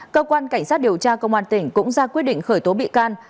cơ quan cảnh sát điều tra công an tỉnh cũng ra quyết định khởi tố bị can